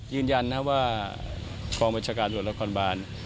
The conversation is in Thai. ยืนยันว่ากองบัญชาการหลวงราคอนบาล